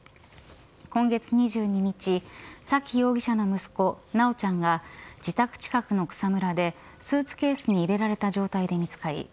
今月２２日沙喜容疑者の息子、修ちゃんが自宅近くの草むらでスーツケースに入れられた状態で見つかり